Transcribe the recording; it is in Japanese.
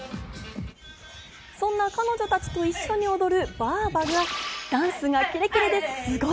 そんな彼女たちと一緒に踊るばあばがダンスがキレキレですごい。